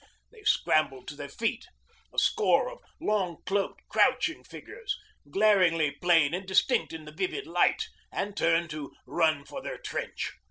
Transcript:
They scrambled to their feet, a score of long cloaked, crouching figures, glaringly plain and distinct in the vivid light, and turned to run for their trench.